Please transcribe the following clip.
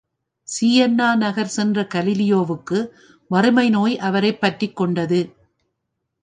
சீயன்னா நகர் சென்ற கலீலியோவுக்கு வறுமை நோய் அவரைப் பற்றிக் கொண்டது.